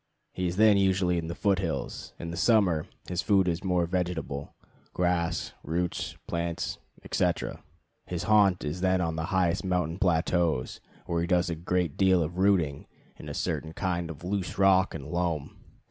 He is then usually in the foot hills. In the summer his food is more vegetable grass, roots, plants, etc. His haunt is then on the highest mountain plateaus, where he does a great deal of rooting in a certain kind of loose rock and loam.